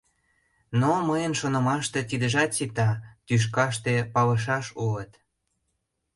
Но, мыйын шонымаште, тидыжат сита, тӱшкаште палышаш улат.